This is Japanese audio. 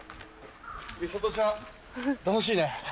美里ちゃん楽しいね。